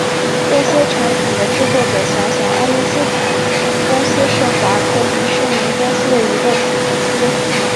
这些产品的制作者小小爱因斯坦公司是华特迪士尼公司的一个子公司。